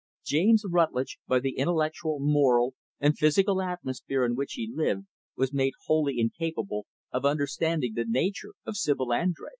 James Rutlidge, by the intellectual, moral, and physical atmosphere in which he lived, was made wholly incapable of understanding the nature of Sibyl Andrés.